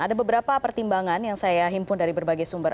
ada beberapa pertimbangan yang saya himpun dari berbagai sumber